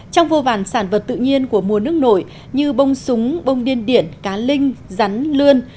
trong vô vàn sản vật tự nhiên của mùa nước nổi như bông súng bông điên điển cá linh rắn lươn